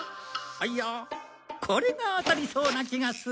いいやこれが当たりそうな気がする！